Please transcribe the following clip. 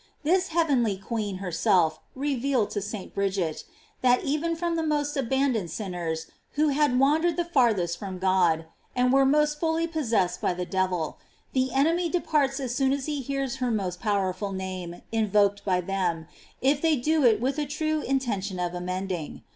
J This heavenly queen herself revealed to St. Bridget, that even from the most abandoned sin ners, who had wandered the farthest from God, and were most fully possessed by the devil, the enemy departs as soon as he hears her most powerful name invoked by them, if they do it with a true intention of amending.